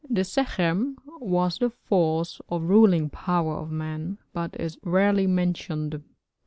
The sekhem was the force or ruling power of man, but is rarely mentioned.